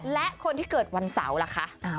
และคนที่เกิดวันเสาร์ล่ะคะ